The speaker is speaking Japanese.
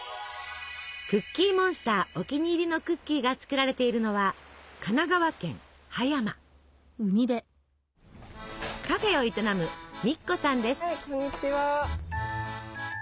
クッキーモンスターお気に入りのクッキーが作られているのはカフェを営むこんにちは。